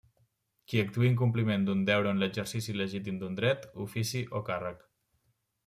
Qui actuï en compliment d'un deure o en l'exercici legítim d'un dret, ofici o càrrec.